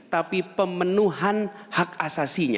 tapi pemenuhan hak asasinya